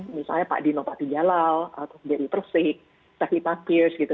misalnya pak dino pak tijalal atau dedy prusik tafiqah pierce gitu